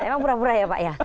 emang pura pura ya pak ya